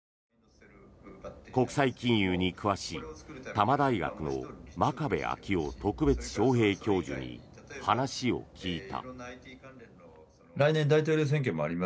国際金融に詳しい多摩大学の真壁昭夫特別招へい教授に話を聞いた。